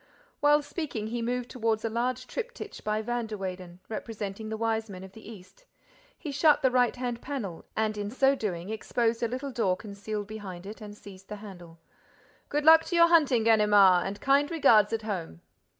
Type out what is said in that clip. While speaking, he moved toward a large triptych by Van der Weyden, representing the Wise Men of the East. He shut the right hand panel and, in so doing, exposed a little door concealed behind it and seized the handle. "Good luck to your hunting, Ganimard! And kind regards at home!"